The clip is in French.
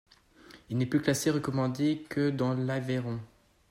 Il n'est plus classé recommandé que dans l'Aveyron.